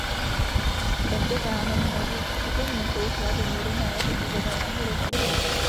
Tento kámen měl být připomínkou hladomoru na jaře uvedeného roku.